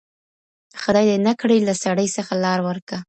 خدای دي نه کړي له سړي څخه لار ورکه